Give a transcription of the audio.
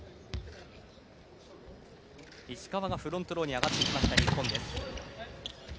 石川がフロントローに上がってきました、日本です。